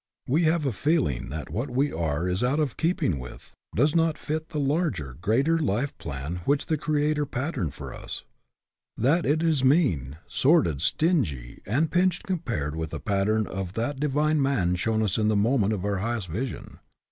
We have a feeling that what we are is out of keeping with does not fit the larger, greater life plan which the Creator patterned for us; that it is mean, sordid, stingy, and pinched compared with the pattern of that divine man shown us in the moment of our highest vision.